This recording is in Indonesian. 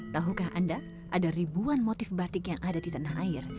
tahukah anda ada ribuan motif batik yang ada di tanah air